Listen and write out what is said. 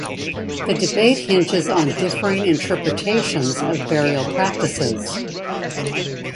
The debate hinges on differing interpretations of burial practices.